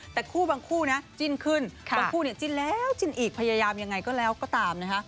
แต่คู่บางคู่นะจิ้นขึ้นบางคู่เนี่ยจิ้นแล้วจิ้นอีกพยายามยังไงก็แล้วก็ตามนะคะ